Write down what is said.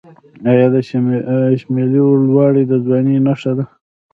آیا د شملې لوړوالی د ځوانۍ نښه نه ده؟